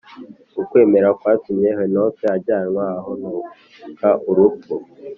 ukwemera kwatumye henoki ajyanwa ahonoka urupfu